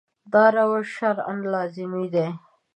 دا روش شرعاً لازمي دی.